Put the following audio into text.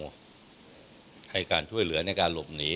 ให้การช่วยเหลือในการหลบหนี